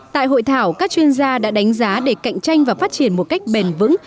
tại hội thảo các chuyên gia đã đánh giá để cạnh tranh và phát triển một cách bền vững